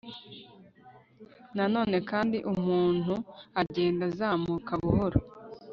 na none kandi umuntu agenda azamuka buhoro